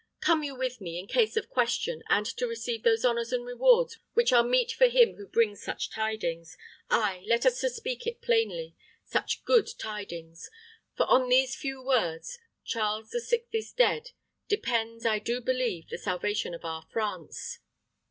Come you with me, in case of question, and to receive those honors and rewards which are meet for him who brings such tidings. Ay, let us speak it plainly such good tidings. For on these few words, 'Charles the Sixth is dead,' depends, I do believe, the salvation of our France."